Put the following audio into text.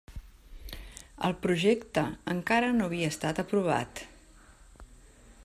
El projecte encara no havia estat aprovat.